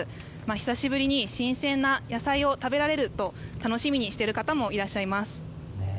久しぶりに新鮮な野菜を食べられると楽しみにしている方もいらっしゃいます。